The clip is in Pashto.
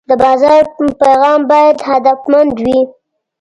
د بازار پیغام باید هدفمند وي.